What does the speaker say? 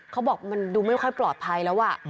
เขาบอกมันดูไม่ค่อยปลอดภัยแล้ว